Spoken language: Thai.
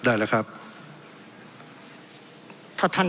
เพราะเรามี๕ชั่วโมงครับท่านนึง